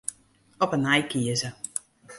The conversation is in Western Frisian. Op 'e nij kieze.